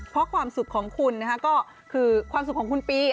เพราะความสุขของคุณก็คือความสุขของคุณปี